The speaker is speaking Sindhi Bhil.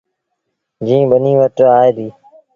جيٚن ٻنيٚ وٽ آئي ديٚ ۔